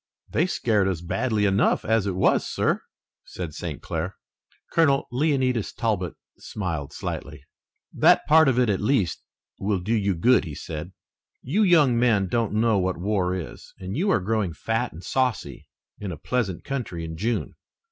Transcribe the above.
"They scared us badly enough as it was, sir," said St. Clair. Colonel Leonidas Talbot smiled slightly. "That part of it at least will do you good," he said. "You young men don't know what war is, and you are growing fat and saucy in a pleasant country in June.